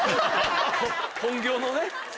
本業のね。